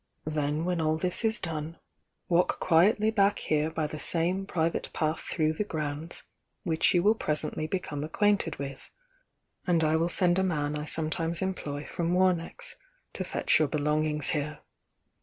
Then when all this is done, walk quietly back here by the same private path through the grounds which you will presently become acquainted with, and I will send a man I sometimes employ from Momex, to fetch your belongings here.